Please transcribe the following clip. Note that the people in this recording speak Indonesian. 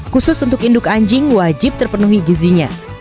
khusus untuk induk anjing wajib terpenuhi gizinya